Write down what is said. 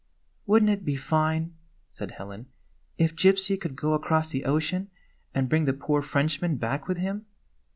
" Would n't it be fine," said Helen, "if Gypsy could go across the ocean and bring the poor Frenchman back with him?"